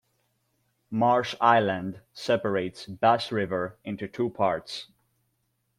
Marsh Island separates Bass River into two parts.